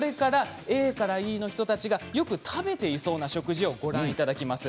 ＡからＥの人たちがよく食べている食事をご覧いただきます。